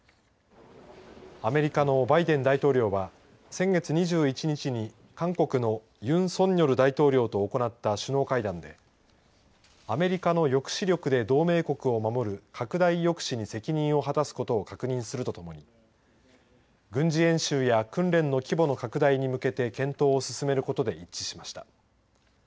アメリカのバイデン大統領は先月２１日に韓国のユン・ソンニョル大統領と行った首脳会談でアメリカの抑止力で同盟国を守る拡大抑止に責任を果たすことを確認するとともに軍事演習や訓練の規模の拡大に向けて検討を進めることで一致しました。